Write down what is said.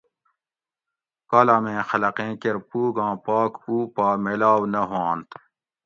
کالامیں خلقیں کیر پوگاں پاک اُو پا میلاؤ نہ ہوانت